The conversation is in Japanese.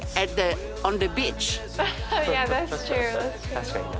確かにな。